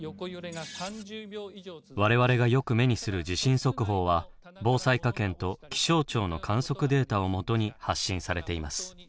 われわれがよく目にする地震速報は防災科研と気象庁の観測データをもとに発信されています。